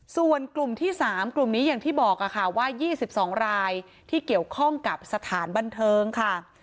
ส่วนกลุ่มที่๓กลุ่มนี้อย่างที่บอกค่ะว่า๒๒รายที่เกี่ยวข้องกับสถานบันเทิงค่ะ